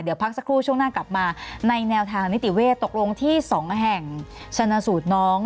เดี๋ยวพักสักครู่ช่วงหน้ากลับมาในแนวทางนิติเวศตกลงที่๒แห่งชนะสูตรน้อง